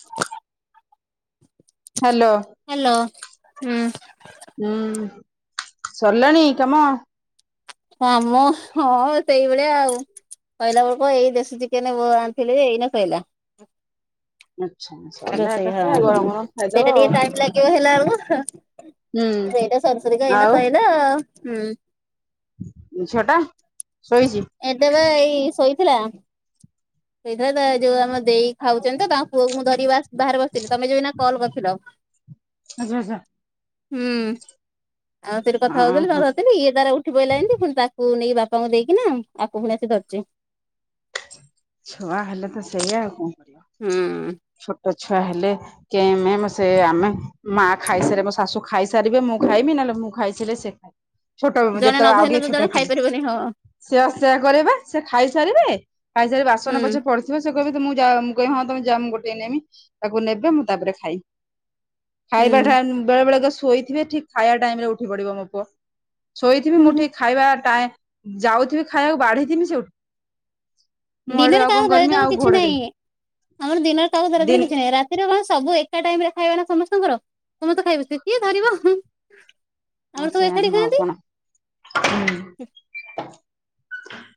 [inaudible] Hello. Hello ହୁଁ। ହୁଁ ସରଲାଣି କାମ। କାମ ହଁ ସେଇଭଳିଆ ଆଉ। କଇଲା ବୁଳୁକୁ ଏଇ ଦେଶୀ ଚିକେନ ବ ଆଣିଥିଲେ ଯେ ଏଇନେ ଶଇଲା। ଆଛା ସରିଲା ରୋଷେଇ ଏକା ହଁ ଥରେ ଆଉ ଗରମ ଗରମ ସେଇଟା ଖାଇଦବ। ଟିକେ [unintelligible] ହେଲା ବୁଳୁକୁ ହୁଁ ସେଇଟା ସରୁସରୁ କା ଏଇନା ଆଉ ସଇଲା ହୁଁ। ଝିଅ ଟା। ଶୋଇଚି। ଏଇଟା ପା ଏଇ ଶୋଇଥିଲା ଶୋଇଥିଲା ତା ଏ ଯୋଉ ଆମ ଦେଇ ଖାଉଛନ୍ତି ତ ତା ପୁଅକୁ ମୁଁ ଧରି ବାସ୍ ବାହାରେ ବସିଥିଲି ତମେ ଯୋଉ ଏଇନା କଲ କରିଥିଲ। ହୁଁ ଆଉ ସେଠି କଥା ହୋଉଥିଲି ତାକୁ ଓହୋ ଧରିଥିଲି। ଇଏ ତାର ଉଠି ପଇଲା ଯେମିତି ଫୁଣି ତାକୁ ପୁଅକୁ ନେଇକି ବାପାଙ୍କୁ ଦେଇକିନା ଆକୁ ଫୁଣି ଆସି ଧରିଛି। ଛୁଆ ହେଲେ ତ ସେଇଆ ଆଉ କଣ। ହୁଁ। ଛୋଟ ଛୁଆ ହେଲେ କେମେମ୍ ସେ ଆମେ ମା ଖାଇସାରି ମୋ ଶାଶୁ ଖାଇ ସାରିବେ ମୁଁ ଖାଇବି। ନହେଲେ ମୁଁ ଖାଇ ସାଇଲେ ସେ ଛୋଟ ଉଁ ଜଣେ ନ ଯେତେବେଳେ ଆଉ ଧଇଲେ ଟିକେ ଦି ଛୋଟ ଜଣ ଥିଲି। ଖାଇପାରିବେନି ହଁ ସିଏ ବା ସେୟା କରିବେ। ସେ ଖାଇସାରିବେ ଖାଇସାରିକି ବାସନ ହୁଁ ପଛେ ପ ସେ କହିବେଁ ମୁଁ ଯା ମୁଁ କହିବି ହଁ ତମେ ଯା ମୁଁ ଗୋଟେ ନେମି। ତାକୁ ନେବେ ମୁଁ ତାପରେ ଖାଇବି। ଖାଇବା ଟାଇ ବେଳେ ବେଳେ ଶୋଇଥିବେ ଠିକ ଖାଇବା ଟାଇମରେ ଉଠି ପଡିବ ମୋ ପୁଅ। ଶୋଇଥିବି ମୁଁ ହୁଁ। ଠିକ୍ ଖାଇବା ଟାଇ ଯାଉଥିବି ଖାଇବାକୁ ବାଢିଥିବି ସେ ଉଠି ମୁଁ ଆଡୁ ଦିନରେ ଆଉ କଣ କାହାକୁ କରିମି ଧରିଦବୁ ଆଉ କିଛି ଘୋଡେଇ ଦେମି ନାହିଁ। ଆମର ଦିନରେ କାହାକୁ ଧରେଇ କିଛି ଦିନ ନାହିଁ। ରାତି ରାତି କଣ ସବୁ ଏକା ଟାଇମ୍ ରେ ଖାଇବା ନା ସମସ୍ତଙ୍କର। ସମସ୍ତେ ଖାଇ ବସିଥିବେ। ସେ କିଏ ଧରିବ ହୁ। ହ ସେଇଆ ନୁହେଁ ଆଉ କଣ ହୁଁ।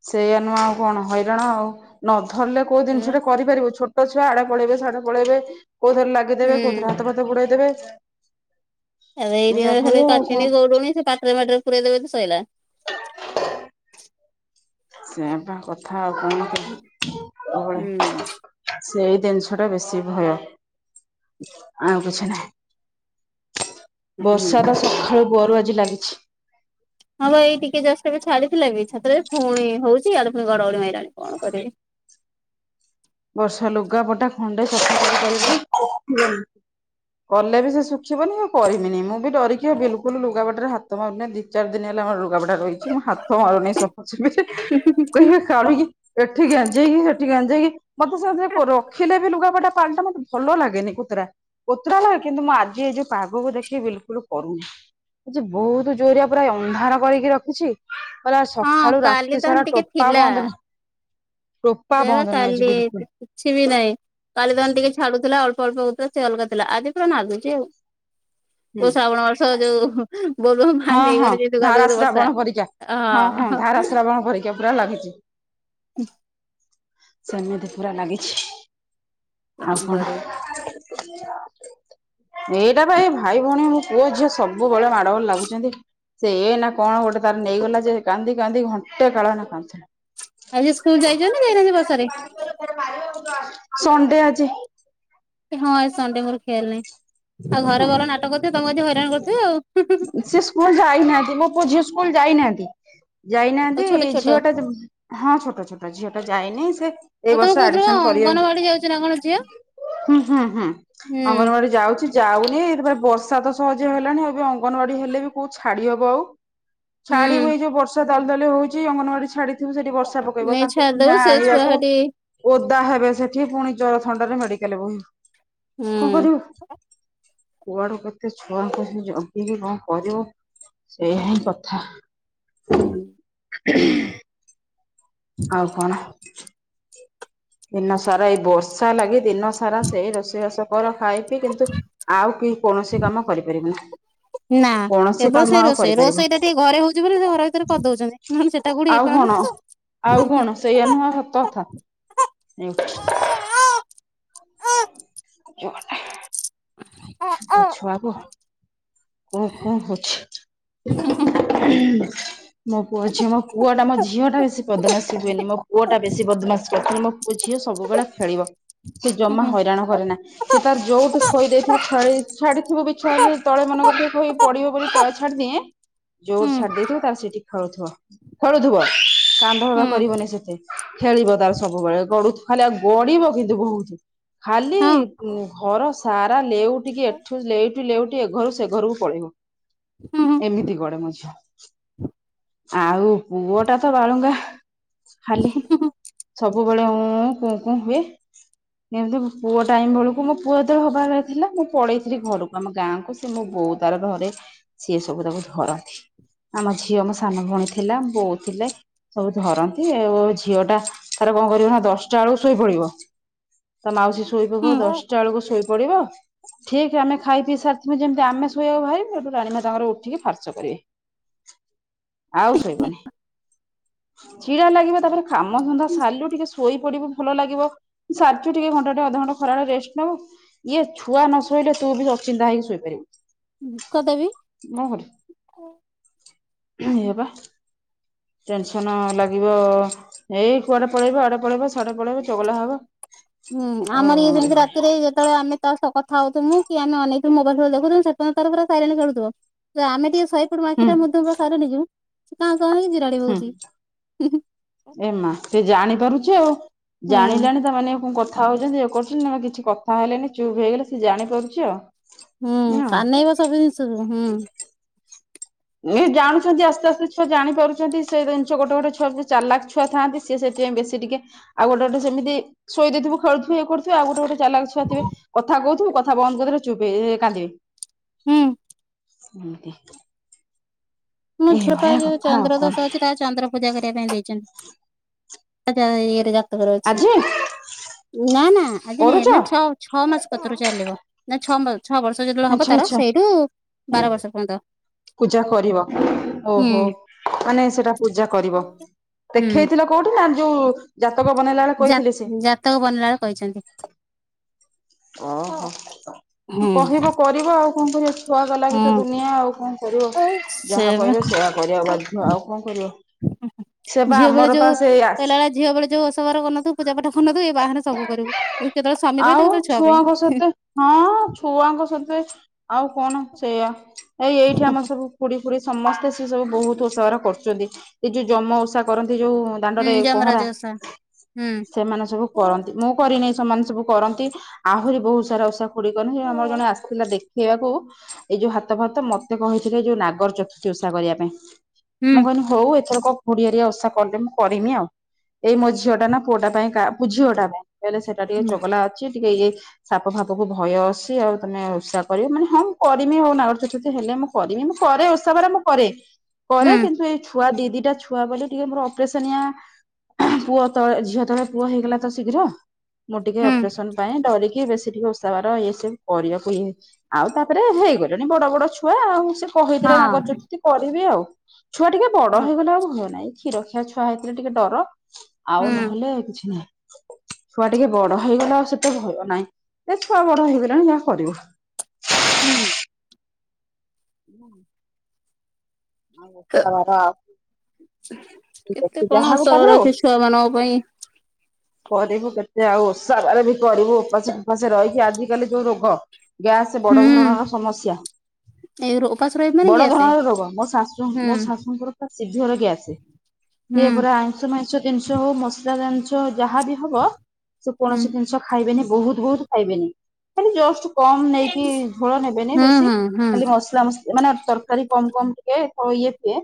ସେଇଆ ନୁହେଁ ଆଉ କଣ ହଇରାଣ ଆଉ। ନ ଧରିଲେ କୋଉ କୋଉ ଜିନିଷ ଟେ କରିପାରିବୁ। ଛୋ ଛୋଟ ଛୁଆ ଆଡେ ପଳେଇବେ ସେଆଡେ ପଳେଇବେ କୋଉଥିରେ ଲଗିଦେବେ ହୁଁ କୋଉଥିରେ ହାତ ଭାତ୍ ବୁଡେଇ ଦେବେ। ଏଇ ଦିନରେ ଖାଲି କଣ କଚେଣୀ ଗୋଉଡୁଣି ସେ ପାଟିରେ ଫାଟିରେ ପୁରାଇ ଦେବେ ଯଦି ଶଇଲା। [inaudible] ସେଇଆ ପା କଥା ଆଉ କଣ। ହୁଁ ସବୁବେଳେ ହୁଁ। ସେଇ ଜିନିଷରେ ବେଶୀ ଭୟ। ଆଉ କିଛି ନାହିଁ। ହୁଁ ବର୍ଷା ତ ସକାଳୁ ପହରୁ ଆଜି ଲାଗିଛି। ହଁ ପା ଏଇ ଟିକେ ଜଷ୍ଟ ଏବେ ଛାଡିଥିଲା ବି। ଛାତରେ ଫୁଣି ହୋଉଚି ଆଡେ ପୁଣି ଘଡଘଡ଼ି ମାଇଲାନି। କଣ କରିବୁ? ବର୍ଷା ଲୁଗାପଟା ଖଣ୍ଡେ ସଫା କରି କରିି ହୁଁ। କଲେ ବି ସେ ଶୁଖିବନି ଆଉ କରିବିନି। ମୁଁ ବି ଡରିକିରି ବିଲକୁଲ ଲୁଗା ପଟାରେ ହାତ ମାରୁନି ବି। ଦୁ ଚାର ଦିନ ହେଲା ଆମର ଲୁଗାବଡା ରହିଛି ମୁଁ ହାତ ମାରୁନି ସଫା ସଫିରେ। କହିବେ କାଳିକିି ଏଠି ଗାଞ୍ଜି ହେଇକି ସେଠି ଗାଞ୍ଜି ହେଇକି ମତେ ସେରେ ରଖିଲେ ବି ଲୁଗାପଟା ପାଲଟା ମତେ ଭଲ ଲାଗେନି କୁତୁରା। କୋତରା ଲାଗେ କିନ୍ତୁ ମୁଁ ଆଜି ଏଇ ଯୋଉ ପାଗକୁ ଦେଖିକି ବିଲକୁଲ କରୁନି। ଆ ବହୁତ ଜୋରିଆ ପୁରା ଅନ୍ଧାର କରିକି ରଖିଛି। କଲେ ହଁ ସକାଳୁ କାଲି ରାତି ତାହେଲେ ସାରା ଟିକେ ଟୋପା ଥିଲା ବନ୍ଦ ନାହିଁ। ଟୋପା ସେଇବା ବନ୍ଦ ନାହିଁ ଆଜି କାଲି ବିଲକୁ କିଛି ବି ନାହିଁ। କାଲି ଦଣ୍ଟି ଛାଡୁଥିଲା ଅଳ୍ପ ଅଳ୍ପ ହୋଉଥିଲା। ସେ ଅଲଗା ଥିଲା ଆଜି ପୁରା ନାଗୁଛି ଆଉ। ହୁଁ। ଶ୍ରାବଣ ବର୍ଷ ଥ ଯୋଉ ବୋଲବମ ହଁ ପାଣି ହଁ ନେଇଗଲେ ଯେମିତି କାଦୁଅ ଧାରା କାଦୁଅ ବର୍ଷା ଶ୍ରାବଣ ପରିକା ହଁ ହଁ ଧାରା ଶ୍ରାବଣ ପରିକା ପୁରା ଲାଗିଛି। ସେମିତି ପୁରା ଲାଗିଛି। ଆଉ କଣ? ଏଇଟା ପା ଏଇ ଭାଇ ଭଉଣୀ ମୋ ପୁଅ ଝିଅ ସବୁବେଳେ ମାଡ ଗୋଳ ଲାଗୁଛନ୍ତି। ସେ ଏନା କଣ ଗୋଟେ ତାର ନେଇଗଲା ଯେ କାନ୍ଦି କାନ୍ଦି ଘଣ୍ଟେ କାଳ ନା କାନ୍ଦୁଥିଲା। ଆଜି ସ୍କୁଲ ଯାଇଛନ୍ତି ନା ଯାଇନାହାନ୍ତି ବର୍ଷାରେ? ସଣ୍ଡେ ଆଜି। ହଁ ସଣ୍ଡେ ମୋର ଆଜି ଖିଆଲି ନାହି। ଆଉ ଘରେ ହଁ ଉଲ ନାଟ କରିଥିବେ ତ ତମକୁ ଆଜି ହଇ ସେ ସ୍କୁଲ ଯାଇନାହାନ୍ତି ମୋ ପୁଅ ଝିଅ ସ୍କୁଲ ଯାଇନାହାନ୍ତି। ଆଉ ଯାଇନାହାନ୍ତି ଛୋଟ ଛୋଟ ଝିଅଟା ହଁ ଛୋଟ ଛୋଟ ଝିଅ ଟା ଯାଇନି। ସେ ଆଉ ଏଇ ତମେ ବର୍ଷ କହୁଥିଲ ଆଡମିସନ କରିବା। କଣ ଅଙ୍ଗନବାଡି ଯାଉଛି ନା କଣ ଝିଅ? ହୁଁ ହୁଁ ହୁଁ ହୁଁ ଅଙ୍ଗନବାଡି ଯାଉଛି। ଯାଉନି ଏ ବର୍ଷା ତ ସହଜ ହେଲାଣି ଆବେ ଅଙ୍ଗନବାଡି ହେଲେ ବି କୋଉ ଛାଡି ହବ ଆଉ ହୁଁ ଛାଡିବି ଯୋଉ ବର୍ଷା ଦାଲ ଦାଲି ହଉଛି ଅଙ୍ଗନବାଡି ଛାଡି ହୁଁ ସେଠି ବର୍ଷା ପକେଇବ ନେଇ ତାଙ୍କୁ ଛାଡିଦବୁ କା ସେ ଛୁଆ ଆଣିବାକୁ ସେଠି ଓଦା ହେବେ ସେଠି ପୁଣି ଜର ଥଣ୍ଡା ରେ ମେଡିକାଲ ବୋହି ହୁଁ ବୁ କଣ କରିବୁ କୁଆଡେ କେତେ ଛୁଆଙ୍କୁ ସେ ଜଗିକି କଣ କରିବ ସେଇ ହିଁ କଥା ହୁଁ। ହ ଆଉ କଣ? ଦିନ ସାରା ଏଇ ବର୍ଷା ଲାଗି ଦିନ ସାରା ସେଇ ରୋଷେଇବାଷ କର ଖାଇ ପିଇ କିନ୍ତୁ ଆଉ କି କୌଣସି କାମ କରିପାରିବନି। ନା କେବଳ ସେ ରୋଷେଇ କରିପାରିବୁନି। ରୋଷେଇ ଟା ଟିକେ ଘରେ ହଉଛି ବୋଲି ସେ ଘର ଭିତରେ କରିଦଉଛନ୍ତି ନ ହେଲେ ସେଟା କୋଠି ଆଉ କଣ ହେଇପାରନ୍ତା। ଆଉ କଣ ସେଇଆ ନୁହଁ ସତ କଥା। ହଁ। କୋ [unintelligible] ଛୁଆକୁ କୁଁ କୁଁ ହୋଉଛି। ମୋ ପୁଅ ଅଛି ମୋ ପୁଅଟା ମୋ ଝିଅ ଟା ବେଶୀ ବଦମାସ ହୁଏନି ମୋ ପୁଅଟା ବେଶୀ ବଦମାସସି କରିଥିଲି ମୋ ଓ ଝିଅ ସବୁବେଳେ ଖେଳିବ ସେ ଜମା ହଇରାଣ କରେ ନା ସେ ତାର ଯୋଉଠି ଖୋଇଦ ଛାଡିଥିବଛ ତଳେ ମନଙ୍କ ଟିକେ କହି ପଡିବ ବୋଲି ତଳେ ଛାଡିଦିଏ। ଜୋର ଛାଡି ଦେଇଥିବ ତାର ସେଠି ଖେଳୁଥିବ ଖେଳୁଥିବ କାନ୍ଦ ହବା କରିବନି ସେତେ ଖେଳିବ ତାର ସବୁବେଳେ ଗୁ ଖାଲି ଆଉ ଗଡିବ କିନ୍ତୁ ବହୁତ। ଖାଲି ଘର ସ ସାରା ଲେଉଟିକି ଏଠୁ ଲେଉଠୁ ଲେଉଠି ଏ ଘରୁ ସେ ଘରକୁ ପଳେଇବ। ଏମିତି ଗଡ଼େ ମୋ ଝିଅ ଆଉ ପୁଅଟା ତ ବାଳୁଙ୍ଗା ଖାଲି ସବୁବେଳେ ଉମ ଉମ କୁଁ କୁଁ ହୁଏ। ଏମିତି ଉମ ପୁଅ ଟାଇମ ବେଳକୁ ମୋ ପୁଅ ସେତେବେଳେ ହବାର ଥିଲା ମୁଁ ପଳେଇଥିଲି ଘରକୁ ଆମ ଗାଁକୁ ସେ ମୋ ବୋଉ ତାର ଧରେ, ସିଏ ସବୁ ତାକୁ ଧରନ୍ତି। ଆମ ଝିଅ ମୋ ସାନ ଭଉଣୀ ଥିଲା, ବୋଉ ଥିଲେ। ସବୁ ଧରନ୍ତି ଆଉ ଝିଅ ଟା ତାର କଣ କରିବ ନା ଦଶଟା ବେଳକୁ ଶୋଇପଡିବ ତା ମାଉସୀ ଶୋଇ ପକଇବ ଦଶଟା ବେଳକୁ ଶୋଇପଡିବ ଠିକ ଆମେ ଖାଇ ପିଇ ସାରିଥିବୁ ଯେମିତି ଆମେ ଶୋଇବାକୁ ବାହାରିବୁ ସେଇଠୁ ରାଣୀମା ତାଙ୍କର ଉଠିକି ଫାର୍ଚ୍ଚ କରିବେ। ଆଉ ଶୋଇବନି। ଚିଡ଼ା ଲାଗିବ ତାପରେ କାମଧନ୍ଧା ସାରିଲୁ ଟିକେ ଶୋଇପଡିବୁ ଭଲ ଲାଗିବ ସାରଛୁ ଟିକେ ଘଣ୍ଟାଟେ ଅଧଘଣ୍ଟା ଖରାରେ ରେଷ୍ଟ ନେବୁ ଇଏ ଛୁଆ ନ ଶୋଇଲେ ତୁ ବି ଅଚିନ୍ତା ହେକି ଶୋଇପାରିବୁନି। କଣଦେବି କଣ କରିବି, ଏଇପା ଟେନସନ ଲାଗିବ, ଏଇ କୁଆଡେ ପଳେଇବ ଆଡେ ପଳେଇବ କୁଆଡେ ପଳେଇବ, ଚଗଲା ହବ ହୁଁ ଅ ଆମର ଇଏ ସେମିତି ରାତିରେ ଏଇଭଳିଆ। ଯେତେବେଳେ ଆମେ ତା ସହିତ କଥା ହଉଥୁମୁ କି ଆମେ ଅନେଇ ଥିବୁ ମୋବାଇଲ ଫୋବାଇଲ ଦେଖୁଥିବୁ ସେତେବେଳେ ତାର ପୁରା ସାଇଲେଣ୍ଟ ଖେଳୁଥିବ। ଆମେ ଟିକେ ଶହେ ପଡ଼ିବୁ ହୁଁ ଆଖିଟା ମୁଦି ଦେବୁ ପୁରା ସାଇଲେଣ୍ଟ ହେଇଯିବୁ ସେ କାଉଁ କାଉଁ ହୋଇ ଏନ୍ତି ରଡ଼ି ହୁଁ ପକାଉଛି ହି ହି। ଏ ମା ସେ ଜାଣିପାରୁଚି ଆଉ ହୁଁ ଜାଣିଲାଣି ତାମାନେ ମୁକ କଥା ହଉଚନ୍ତି ଇଏ କରୁଚନ୍ତି ନହେଲେ କିଛି କଥା ହେଲେନି ଚୁପ୍ ହେଇଗଲେ ସିଏ ଜାଣିପାରୁଚି ଆଉ। ହୁଁ କାନେଇବ ସବୁ ଜିନିଷକୁ ହୁଁ। ଇଏ ଜାଣୁଛନ୍ତି ଆସ୍ତେ ଆସ୍ତେ ଛୁଆ ଜାଣିପାରୁଛନ୍ତି ସେ ଜିନିଷ ଗୋଟେ ଗୋଟେ ଛୁଆ ଯଦି ଚାଲାଖ ଛୁଆ ଥାନ୍ତି ସିଏ ସେଥିପାଇଁ ବେଶୀ ଟିକେ ଆଉ ଗୋଟେ ଗୋଟେ ସେମିତି ଶୋଇ ଦେଇଥିବୁ ଖେଳୁଥିବ ଇଏ କରୁଥିବ ଆଉ ଗୋଟେ ଗୋଟେ ଚାଲାକ ଛୁଆ ଥିବେ କଥା କହୁଥିବୁ କଥା ବନ୍ଦ କରିଦେଲେ ଚୁପ୍ ହେଇଯିବେ ଏ ଏ କାନ୍ଦିବେ। ହୁଁ। ଏମିତି। ମୋ ଝିଅପା ଏଇଭଳିଆ ଯୋଉ କଥା ଆଉ ଚନ୍ଦ୍ର କଣ ଦୋଷ ଅଛି ତାର ଚନ୍ଦ୍ର ପୂଜା କରିବା ପାଇଁ ଯାଇଛନ୍ତି ତା ଇଏରେ ଜା ତାଙ୍କର ଅଛି ଆଜି ନା ନା ଆଜି ନାଇଁ କରୁଛ ଏ ମାନେ ଛଅ ଛଅ ମାସ କତରୁ ଚାଲିବ ନା ଛଅ ମା ଛଅ ବର୍ଷ ଯେତେବେଳେ ହବ ଆଚ୍ଛା ତାର ଆଚ୍ଛା ସେଇଠୁ ବାର ବର୍ଷ ପର୍ଯ୍ୟନ୍ତ। ପୂଜା କରିବ। ଓହୋ ହୁଁ। ମାନେ ସେଇଟା ପୂଜା କରିବ ହୁଁ ଦେଖେଇଥିଲ କୋଉଠି ନା ଯୋଉ ଜାତକ ବନେଇଲା ବେଳେ ଜା କହିଥିଲେ ସେ ଜାତକ ବନିଲାବେଳେ କହିଚନ୍ତି। ଓହୋ ହଁ ହୁଁ। କହିବ କରିବ ଆଉ କଣ କରିବ ଛୁଆକ ଲାଗିତ ହୁଁ ଦୁନିଆ ଆଉ କଣ କରିବ ସେ ଯାହା ବା କହିବେ ସେଇଆ କରିବାକୁ ବାଧ୍ଯ ଆଉ କଣ କରିବ ସେ ବା ଆମର ପା ସେ ସେ କହିଲା ଭଳିଆ ଝିଆ ବେଳେ ଯଉ ଓଷା ବାର କରନଥିବୁ ପୂଜା ପାଠ କରନଥିବୁ ଏଇ ବାହାହେନେ ସବୁ କରିବୁ କେତେବେଳେ ସ୍ଵାମୀ ପାଇଁତ ଆଉ କେତେବେଳେ ଛୁ ଛୁଆଙ୍କ ସତେ ହଁ ଛୁଆଙ୍କ ସତେ ଆଉ କଣ ସେଇଆ। ଏଇ ଏଇଠି ଆମର ସବୁ ଖୁଡ଼ି ଫୁଡି ସମସ୍ତେ ସେ ସବୁ ବହୁତ୍ ଓଷା ବାର କରୁଚନ୍ତି ଏ ଯୋଉ ଜମ ଓଷା କରନ୍ତି ଯୋଉ ହୁଁ ଦାଣ୍ଡରେ ଯମରାଜ ପହଁରା ଓଷା ହୁଁ। ସେମାନେ ସବୁ ହୁଁ କରନ୍ତି ମୁଁ କରିନି ସେମାନେ ସବୁ କରନ୍ତି ଆହୁରି ବହୁତ୍ ସାରା ଓଷା ଖୁଡ଼ି କରନ୍ତି, ଆମର ହୁଁ ଜଣେ ଆସିଥିଲା ଦେଖେଇବାକୁ ଏଇ ଯୋଉ ହାତ ଫାତ ମତେ କହିଥିଲେ ଯୋଉ ନାଗର ଚୋର୍ଥତି ଓଷା କରିବା ପାଇଁ ହୁଁ ମୁଁ କହିଲି ହଉ ଏଥରକ ଖୁଡ଼ିଅରିକା ଓଷା କଲେ ମୁଁ କରିମି ଆଉ। ଏଇ ମୋ ଝିଅ ଟା ନା ପୁଅଟା ପାଇଁ କା ମୋ ଝିଅଟା ପାଇଁ କହିଲେ ସେଟା ଟିକେ ଚଗଲା ଅଛି ଟିକେ ଇଏ ସାପ ଫାପକୁ ଭୟ ଅସି ଆଉ ତମେ ଓଷା କରିବ ମାନେ ହଁ ମୁଁ କରିମି ଆଉ ନାଗର ଚତୁର୍ଥୀ ହେଲେ ମୁଁ କରିମି ମୁଁ କରେ ଓଷା ବାର ମୁଁ କରେ କରେ ହଁ ହଁ କିନ୍ତୁ ଏଇ ଛୁଆ ଦି ଦିଟା ଛୁଆ ବୋଲି ଟିକେ ମୋର ଅପରେସନିଆ ପୁଅ ତ ଝିଅ ତଳେ ପୁଅ ହେଇଗଲା ତ ଶୀଘ୍ର ମୁଁ ଟିକେ ଅପରେସନ ପାଇଁ ଡରିକି କି ବେଶୀ ଟିକେ ଓସାବାର ଇଏ ସିଏ କରିବାକୁ ଇ ଆଉ ତାପରେ ହେଇଗଲେଣି ବଡ଼ ବଡ଼ ଛୁଆ ଆଉ ସେ କହିଥିଲେ ନାଗଚୁତିର୍ଥୀ କରିବି ଆଉ ଛୁଆ ଟିକେ ବଡ଼ ହେଇଗଲେ ଆଉ ହଲ ନାହିଁ କ୍ଷୀର ଖ୍ିଆ ଛୁଆ ହେଇଥିଲେ ଟିକେ ଡର ଆଉ ହୁଁ ନହେଲେ କିଛି ନାହିଁ ଛୁଆ ଟିକେ ବଡ଼ ହେଇଗଲା ଆଉ ସେତେ ଭୟ ନାଇଁ। ଏ ଛୁଆ ବଡ଼ ହେଇଗଲାଣି ଯାହା କରିବୁ। ହୁଁ। ହୁଁ। ଆଉ ତା ବାବା କେତେ କଣ ଯାହାକୁ ତାପରେ ଅସର ଅଛି ଛୁଆ ମାନଙ୍କ ପାଇଁ କରିବୁ କେତେ ଆଉ ସରେବି କରିବୁ ଉପାସ ଫାସ ରହିକି ଆଜିିକାଲି ଯୋଉ ରୋଗ ଗ୍ୟାସ ହୁଁ। ବଡ଼ ଧରଣର ସମସ୍ୟା ଏଇ ଉପାସ ରହିବ ମାନେ ବଡ଼ ଗ୍ୟାସେ ଧରଣର ରୋଗ ମୋ ଶା ଶ ହୁଁ ମୋ ଶାଶୁଙ୍କର ତା ସିଝରୋଗୀ ଗ୍ୟାସ୍ ହୁଁ ସିଏ ପୁରା ଆଇଁଷ ମାଇଁଷ ଜିନିଷ ହଉ ମସାଲା ଜିନିଷ ଯାହାବି ହବ ସେ ହୁଁ। କୋଣସି ଖାଇବେନି ବହୁତ ବହୁତ ଖାଇବେନି ଖାଲି ଜଷ୍ଟ କମ ନେଇକି ହୁଁ ଝୋଳ ନେବେନି ବେଶୀ ହୁଁ ହୁଁ ଖାଲି ମସଲା ମସଲି ମାନେ ତରକାରୀ କମ କମ। ଣ ଇଏ ପଏ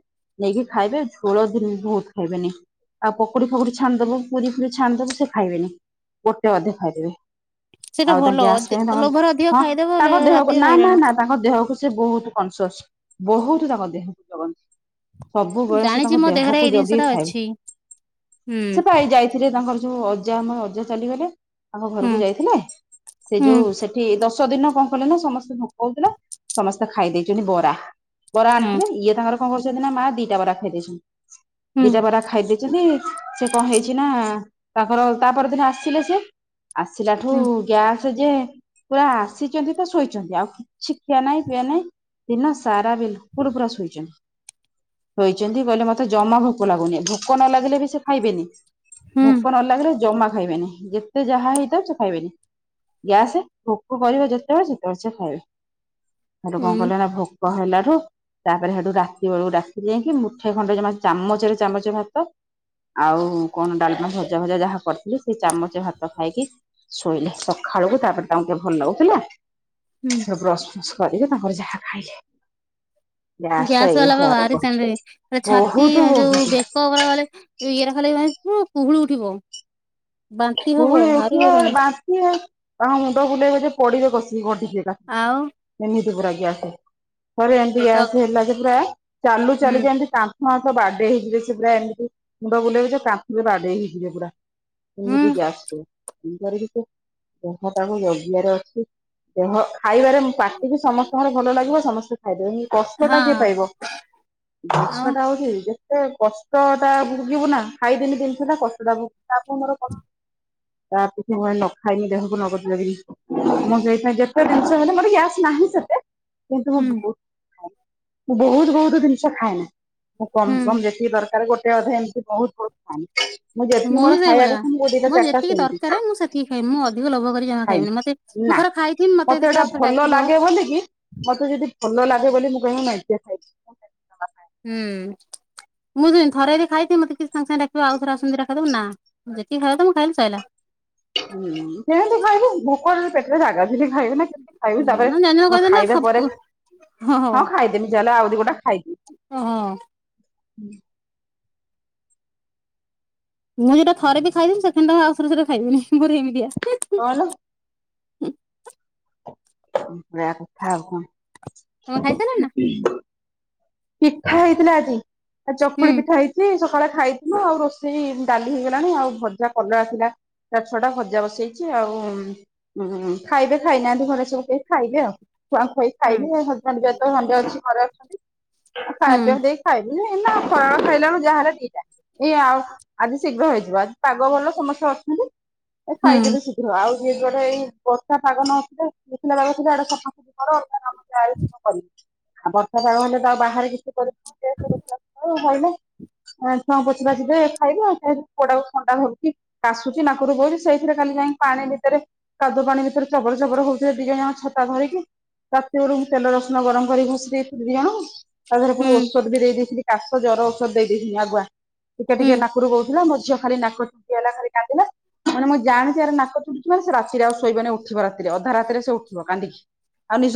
ନେଇକି ଖାଇବେ ଝୋଳ ଦିନ ବି ବହୁତ ଖାଇବେନି। ଆଉ ପକୁଡି ଫକୁଡି ଛାଣିିଦବୁ ପୁରୀ ପୁରୀ ଛାଣିଦବୁ ସେ ଖାଇବେନି ଗୋଟେ ଅଧେ ଖାଇଦେବେ। ସେଇଟା ଆଉ ଭଲ ତାଙ୍କେ ଗ୍ୟାସ ପାଇଁଙ୍କ ହଁ ଲୋଭରେ ଅଧିକ ଖାଇଦବ ବଲେ ତାଙ୍କ ଦେହକୁ ରାତି ନା ନା ହଇରାଣ। ନା ତାଙ୍କ ଦେହକୁ ସେ ବହୁତ କନସିଅସ୍ ବହୁତ ତାଙ୍କ ଦେହକୁ ଜଗନ୍ତି। ସବୁବେଳେ ସେ ଜାଣିଛି ତାଙ୍କ ମୋ ଦେହରେ ଦେହକୁ ଏଇ ଜିନିଷ ଟା ଜଗେଇଥାଏ। ଅଛି ହୁଁ ସେ ତ ଯାଇଥିଲେ ତାଙ୍କର ଯୋଉ ଅଜା ଆମ ଅଜା ଚାଲିଗଲେ ତାଙ୍କ ହୁଁ ଘରକୁ ଯାଇଥିଲେ। ସେ ହୁଁ ଯୋଉ ସେଠି ଦଶ ଦିନ କଣ କଲେ ନା ସମସ୍ତେ କହୁଥିଲା? ସମସ୍ତେ ଖାଇ ଦେଇଛନ୍ତି ବରା ବରା ଆ ହୁଁ ଇଏ ତାଙ୍କର କଣ କରୁଛନ୍ତି ନା ମା ଦିଟା ବରା ଖାଇ ଦେଇଛନ୍ତି ହୁଁ। ଦିଟା ବରା ଖାଇ ଦେଇଛନ୍ତି। ସେ କଣ ହେଇଛି ନା ତାଙ୍କର ତାପରଦିନ ଆସିିଲ ସେ ଆସିଲା ଠୁ ହୁଁ ଗ୍ୟାସ ଯେ ପୁରା ଆସିଛନ୍ତି ତ ଶୋଇଛନ୍ତି ଆଉ କିଛି ଖିଆ ନାହିଁ ପିଇଆ ନାଇଁ ଦିନ ସାରା ବିିନ ପୁର ପୁରା ଶୋଇଛନ୍ ସୋଇଛନ୍ତି କହିଲେ ମତେ ଜମା ଭୋକ ଲାଗୁନି ଭୋକ ନ ଲାଗିଲେ ବି ସେ ଖାଇବେନି ହୁଁ ଭୋକ ନ ଲାଗିଲେ ଜମା ଖାଇବେନି ଯେତେ ଯାହା ହେଇଥା ସେ ଖାଇବେନି। ଗ୍ୟାସ ଭୋକ କରିବ ଯେତେବେଳେ ସେତେବେଳେ ସେ ଖାଇବେ। ହେଲେ କଣ ହୁଁ କଲେ ନା ଭୋକ ହେଲାରୁୁ ତାପରେ ସେଠୁ ରାତି ବେଳୁ ରାତିରେ ଯାଇକି ମୁଠେ ଖଣ୍ଡେମା ଚାମଚରେ ଚାମଚ ଭାତ ଆଉ କଣ ଡାଲମା ଭଜା ଭଜା ଯାହା କରିଥିଲି ସେ ଚାମଚ ଭାତ ଖାଇକି ଶୋଇଲେ। ସକାଳକୁ ତାପରେ ତାଙ୍କୁ ଟିକେ ଭଲ ଲାଗୁଥିଲା ହୁଁ। ସେ ବ୍ରସ୍ ଫ୍ରସ୍ କରିକି ତାଙ୍କର ଯାହା ଖାଇଲେ? ଗ୍ୟାସ୍ ଟା ଗ୍ୟାସ ବାଲା ବା ଏଇଭଳିଆ ରୋଗ ବାହାରିଛନ୍ତି ଛାତି ବହୁତ ବହୁତ ଯୋଉ ବେ ବ ଗଲେ ଇଏରେ ଖାଲେ ପ କୁହୁଳି ଉଠିବ। ବାନ୍ତି ହବ ଗୁଗୁଳି ଭାରି ଉଠିବ ହଇରାଣ। ବାନ୍ତି ତାଙ୍କ ମୁଣ୍ଡ ବୁଲେଇବେ ଯେ ପୋଡିବେ କସିକି ଗିକା। ଆଉ? ଏମିତି ପୁରା ଗ୍ୟାସ ଥରେ ପେଟ ହେଲା ଯେ ଚାଲୁ ଚାଲୁକା ଗ୍ୟା ସ ହେଲା ଯେ ଭ୍ରା ଚାଲୁ ହୁଁ ଚାଲୁ କେନ୍ତି ତା ହଁ ସ ବାର୍ଡେ ହେଇଯିବ ସେ ପୁରା ଏମିତି ମୁଣ୍ଡ ବୁଲେଇବ କାଥରେ ବାଡେଇ ହେଇଯିବେ ପୁରା। ହଁ। ଏମିତି ଗ୍ୟାସ କି ସେ ଯାହା ତାଙ୍କ ଜଗିଆରେ ଅଛି। ଦେହ ଖାଇବାରେ ହଁ ପାଟିକୁି ସମସ୍ତଙ୍କର ଭଲ ଲାଗିବ ସମସ୍ତେ। ଖାଇଦେବେ କଷ୍ଟ ଟା କିଏ ପାଇବ କଷ୍ଟଟା ଆଉ ସେ କଷ୍ଟଟା ଭୋଗିବୁ ନା ଖାଇଦେମି ଜିନିଷ ଟା କଷ୍ଟଟା ଭୋଗିବ ଲାଭ ମୋର କଣ ତା ପଛେ ମାନେ ନଖାଇକି ଦେହକୁ ନଗଦ ଜଗ। ମୁଁ ସେଇପାଇ ଯେତେ ଜିନିଷ ହେଲେ ମୋର ଗ୍ୟାସ ନାହିଁ ସେତେ। କିନ୍ତୁ ମୁଁ ହୁଁ ବହୁତ୍ ମୁଁ ବହୁତ ବହୁତ ଜିନିଷ ଖାଏନା। ମୁଁ କମ୍ ହୁଁ କମ୍ ଯେତିକି ଦରକାର ଗୋଟେ ଅଧେ ଏମିତି ବହୁତ୍ ବହୁ ଖାନି ମୁଁ ଯେତିକି ମୋର ଖାଇବା କଥା ଦେଇ ତା ହଁ ଯେତିକି ଦର୍ କାରାରେ ମୁଁ ସେତିକି ଖାଇମି ମୁଁ ଅଧିକ ଲୋଭ କରି ଜମା ଖାଏ ଖାଇବିନି ମତେ ମୁଁ ନା ଥରେ ଖାଇଥିଲି ମ ମତେ ଏଇଟା ଭଲ ଲାଗେ ବୋଲି କି ମତେ ଯଦି ଭଲ ଲାଗେ ବୋଲି ମୁଁ [inaudible] ନାଇକି ଖାଇଛି। ହୁଁ ଉଁ ମୁଁ ସେମିତି ଥରେ ଯଦି ଖାଇଥିଲି ମତେ କି ସାଙ୍ଗେ ସାଙ୍ଗେ ଡାକିବ ଆଉଥରେ ଆସନି ଦିଟା ଖାଇଦାବ ନା। ଯେତିକି ଖାଇବା କଥା ମୁଁ ଖାଇଲି ସଇଲା। ହୁଁ କେମିତି ଖାଇବି ଭୋକରେ ଯଦି ପେଟରେ ଜାଗାଥିଲେ ଖାଇବି ନା। ଖାଇବି ତାପରେ ନା ଜାଣି ଶୁଣି ମୁଁ କହିଦେଲି ନା ଖାଇବା ପରେ ଖାବୁ ହଁ ଖାଇଦେବି ଚାଲେ ଆଉ ଦି ଗୁଣ୍ଡା ଖାଇବି। ହଁଁ ହଁ। ହୁଁ। ମୁଁ ଯୋଉ ଟା ଥରେ ବି ଖାଇବିନି ସେଖେଣ୍ଡ ଆଉସରେ ଖାଇବିନି ମୋ ଏମିତିଆ। ହାଲୋ। ଯାହା ହୋଉ ଆଉ କଣ? ତମେ ଖାଇ ସାଇଲ ନା? ପିଠା ହେଇଥିଲା ଆଜି ଆ ହୁଁ ଚକୁଳି ପିଠା ହେଇ ଥି ସକାଳେ ଖାଇଥିଲୁ ଆଉ ରୋଷେଇ ଡାଲି ହେଇଗଲାଣି ଆଉ ଭଜା କଲରା ଥିଲା। ଚାର୍ ଛଅଟା ଭଜା ବସେଇଛି ଆଉ ଉଁ-ଉଁ - ଉ ଖାଇବେ ଖାଇନାହାନ୍ତି ଘରେ ସବୁ କେ ଖାଇଲେ ଆଉ। ଛୁଆଙ୍କୁ ଖୋଇ ହୁଁ ସାଇଲେ ହଜ୍ ବେଣ୍ଡ [unintelligible] ଖାଇବା ହୁଁ ପିଆ ଦେଇକି ଖାଇବିନି ଏନା ଫଳଳ ଖାଇଲା ବେଳକୁ ଯାହା ହେଲା ଦିଟା। ଜୀ ଆଉ ଆଜି ଶୀଘ୍ର ହେଇଯିବ ଆଜି ପାଗ ଭଲ ସମସ୍ତେ ଅଛନ୍ତି ଏ ହୁଁ ଖାଇଦେବେ ସି ଥିବ ଆଉ ଯିଏ ଗନେ ଏଇ ବର୍ଷା ପାଗ ନଥିଲେ ଶୁଖିଲା ପାଗ ଥିଲେ ଏଡା ସଫା ମୋର [inaudible] ବର୍ଷା ଯାଗ ହେଲେ ତ ବାହାରେ [unintelligible] [unintelligible] ଖାଇବୁ ଆଉ ପୁଅଟା କୁ ଥଣ୍ଡା ଧରୁଛି। କାଶୁଛି ନାକରୁ ବୋହୁଉଛି ସେଇଥିରେ ଖାଲି ଯାଇକି ପାଣି ଭିତରେ। କାଦୁ ପାଣି ଭିତରେ ଚବର ଚବର ହୋଉଥିବେ ଦି ଜଣ ଜାଙ୍କ ଛତା ଧରିକି। ତାତି ରୁ ମୁ ତେଲ ରସୁଣ ଗରମ କରି ଘଷି ଦେଇଏ ଦି ଜଣଙ୍କୁ। ତା ଦେହରେ ପୁଣି ହୁଁ ଔଷଧ ବି ଦେଇେଇଥିଲି କାଶ ଜର ଔଷଧ ଦେଇ ଦେଇଥିନି ଆଗୁଆ ଟିକେ ହୁଁ। ଟିକେ ନା ଉପୁରୁ ବହୁଥିଲା ମୋ ଝିଅ ଖାଲି ନାକ ଚୁଣ୍ଟି ହେଲା ଖାଲି କାନ୍ଦିଲା। ମାନେ ମୁଁ ଜାଣୁଛି ହାର ନାକ ଚୁଣ୍ଟୀ ହୋଉଛି ରାତିରେ ଆଉ ଶୋଇବନି ଉଠିବ ରାତିରେ ଅଧା ରାତିରେ ସେ ଉଠିବ କାନ୍ଦିକି। ଆଉ ନିଜସ୍